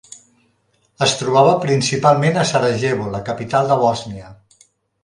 Es trobava principalment a Sarajevo, la capital de Bòsnia.